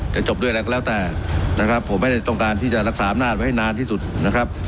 จะจบด้วยอะไรก็แล้วแต่นะครับผมไม่ได้ต้องการที่จะรักษาอำนาจไว้ให้นานที่สุดนะครับ